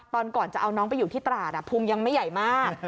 ตอนก่อนจะเอาน้องไปอยู่ที่ตราดภูมิยังไม่ใหญ่มาก